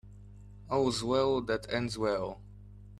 All's well that ends well.